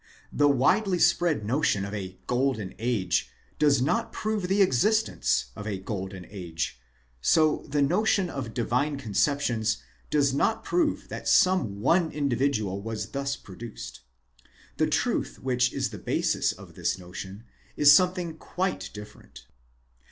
The widely spread notion of a golden age does not prove the existence of a golden age: so the notion of divine conceptions does not prove that some one individual was thus produced. The truth which is the basis of this notion is something quite different.